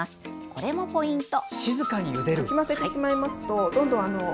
これもポイント。